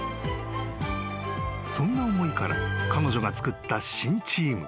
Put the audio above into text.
［そんな思いから彼女が作った新チーム。